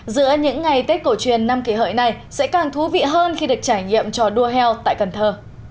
giữa những ngày tết cổ truyền năm kỷ hợi này sẽ càng thú vị hơn khi được trải nghiệm trò đua heo tại cần thơ